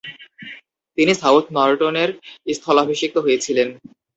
তিনি সাউথ নর্টনের স্থলাভিষিক্ত হয়েছিলেন।